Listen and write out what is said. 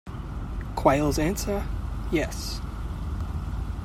Quayle's answer: yes.